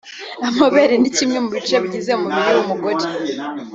Amabere ni kimwe mu bice bigize umubiri w’umugore